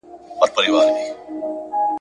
د اسمان په خوښه دلته اوسېده دي ,